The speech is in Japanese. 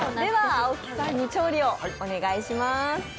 青木さんに調理をお願いします。